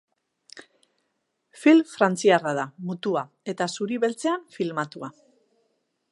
Film frantziarra da, mutua, eta zuri-beltzean filmatua.